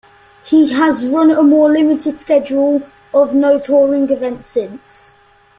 He has run a more limited schedule of no touring events since.